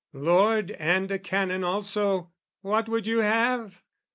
Lord and a Canon also, what would you have?